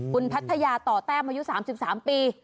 คุณพัทยาต่อแต้มอายุ๓๓ปี